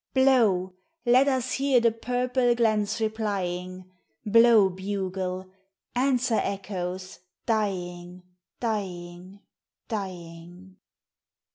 Blow, let us hear the purple glens replying: Blow, bugle; answer, echoes, dying, dying, dying.